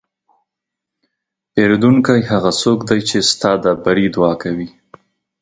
پیرودونکی هغه څوک دی چې ستا د بری دعا کوي.